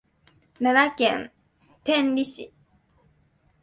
奈良県天理市